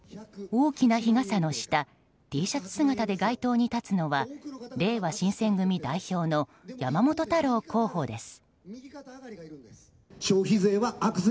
大きな日傘の下Ｔシャツ姿で街頭に立つのはれいわ新選組代表の山本太郎候補です。